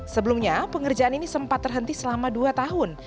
sebelumnya pengerjaan ini sempat terhenti selama dua tahun